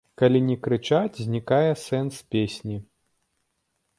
Калі не крычаць, знікае сэнс песні.